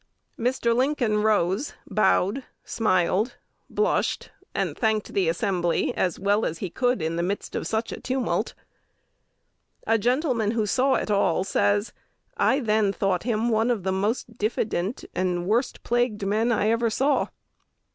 Mr. Lincoln rose, bowed, smiled, blushed, and thanked the assembly as well as he could in the midst of such a tumult. A gentleman who saw it all says, "I then thought him one of the most diffident and worst plagued men I ever saw."